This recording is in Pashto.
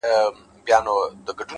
حقیقي خوشحالي په زړه کې ده؛